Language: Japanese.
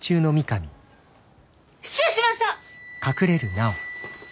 失礼しました！